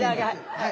はい。